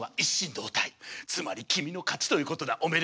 つまり君の勝ちということだおめでとう。